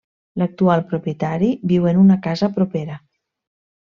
L'actual propietari viu en una casa propera.